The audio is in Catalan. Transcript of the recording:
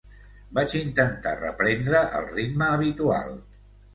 Vaig intentar reprendre el ritme habitual.